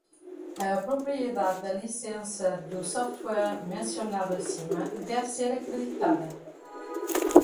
A propriedade da licença do software mencionado acima deve ser creditada.